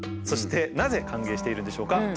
そしてなぜ歓迎しているんでしょうか。